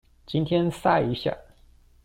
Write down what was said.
今天曬一下